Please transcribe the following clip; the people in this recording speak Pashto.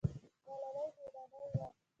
ملالۍ میړنۍ وه